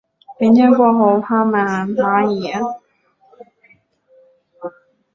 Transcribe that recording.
明天过后爬满蚂蚁